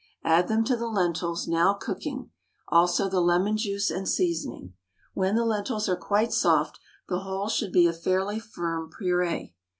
Add them to the lentils now cooking; also the lemon juice and seasoning. When the lentils are quite soft, the whole should be a fairly firm pureé.